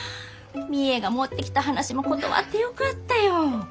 みえが持ってきた話も断ってよかったよ。